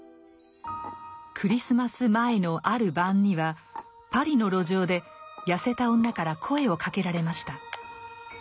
クリスマス前のある晩にはパリの路上で痩せた女から声をかけられました。